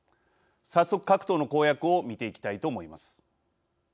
早速、各党の公約を見ていきたいと思います。